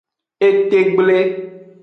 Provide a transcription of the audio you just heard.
Etegble.